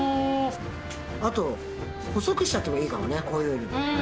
あと細くしちゃってもいいかもねこういうふうに。